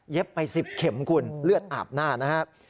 ไป๑๐เข็มคุณเลือดอาบหน้านะครับ